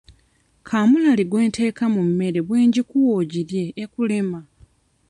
Kaamulali gwe nteeka mu mmere bwe ngikuwa ogirye ekulema.